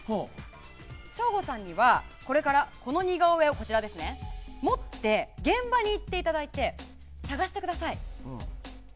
省吾さんにはこれからこの似顔絵を持って現場に行っていただいて捜してください。